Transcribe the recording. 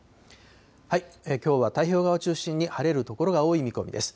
きょうは太平洋側を中心に晴れる所が多い見込みです。